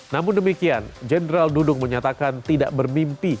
namun demikian jenderal dudung menyatakan tidak bermimpi